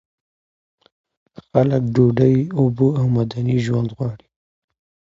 خلک ډوډۍ، اوبه او مدني ژوند غواړي.